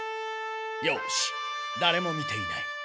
よしだれも見ていない。